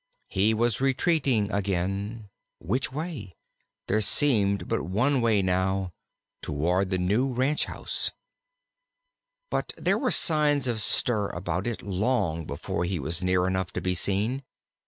He was retreating again which way? There seemed but one way now toward the new ranch house. But there were signs of stir about it long before he was near enough to be seen.